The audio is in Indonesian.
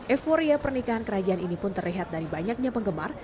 euforia pernikahan kerajaan ini pun terlihat dari banyaknya penggemar